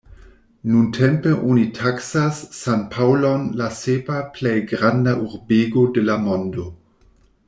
Nuntempe oni taksas San-Paŭlon la sepa plej granda urbego de la mondo.